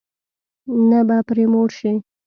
نه به پرې موړ شې.